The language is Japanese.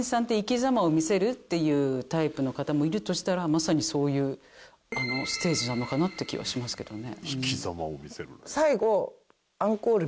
まさにそういうステージなのかなって気はしますけどね。